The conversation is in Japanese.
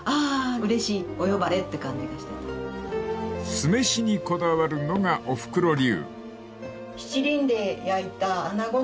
［酢飯にこだわるのがおふくろ流］